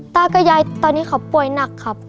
ตากับยายตอนนี้เขาป่วยหนักครับ